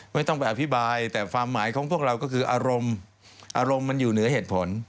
ไม่ต้องไปอธิบายแต่ความหมายของพวกเราก็คืออารมณ์อารมณ์มันอยู่เหนือเหตุผล